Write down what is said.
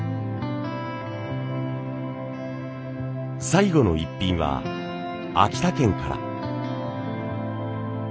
最後のイッピンは秋田県から。